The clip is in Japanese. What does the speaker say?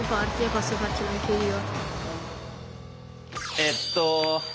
えっと